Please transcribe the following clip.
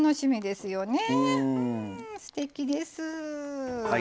すてきです。